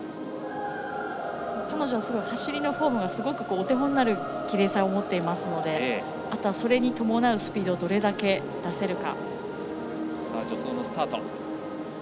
彼女は走りのフォームがすごくお手本になるきれいさを持っているのであとは、それに伴うスピードをどれだけ出せるか。